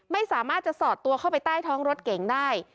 ไม่สามารถจะสอดตัวเข้าไปใต้ท้องรถเก๋งได้